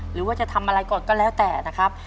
หรือว่าจะทำอะไรก่อนก็แล้วแต่นะครับ